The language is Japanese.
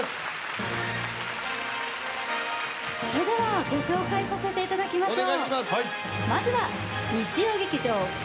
それではご紹介させていただきましょう。